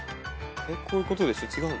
こういうことでしょ。